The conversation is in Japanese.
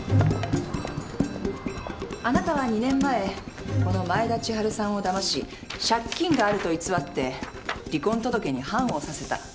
あなたは２年前この前田千春さんをだまし「借金がある」と偽って離婚届に判を押させた。